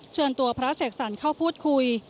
เชิญตัวพระเสกสรรเข้าพูดคุย